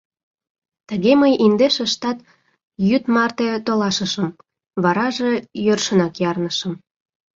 Тыге мый индеш ыштат йӱд марте толашышым, вараже йӧршынак ярнышым.